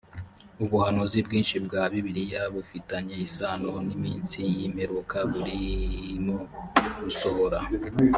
ubuhanuzi bwinshi bwa bibiliya bufitanye isano n iminsi y imperuka burimo gusohora